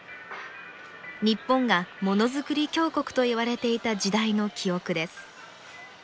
日本が「ものづくり強国」といわれていた時代の記憶です。